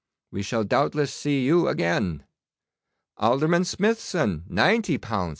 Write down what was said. We shall doubtless see you again. Alderman Smithson, ninety pounds.